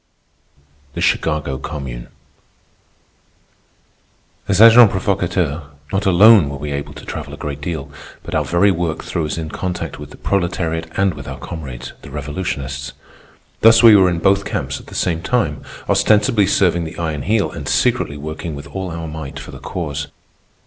THE CHICAGO COMMUNE As agents provocateurs, not alone were we able to travel a great deal, but our very work threw us in contact with the proletariat and with our comrades, the revolutionists. Thus we were in both camps at the same time, ostensibly serving the Iron Heel and secretly working with all our might for the Cause.